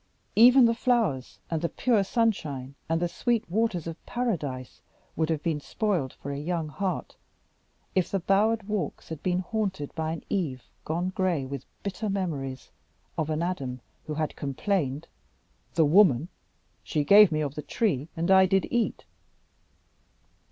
Even the flowers and the pure sunshine and the sweet waters of Paradise would have been spoiled for a young heart, if the bowered walks had been haunted by an Eve gone gray with bitter memories of an Adam who had complained. "The woman she gave me of the tree, and I did eat."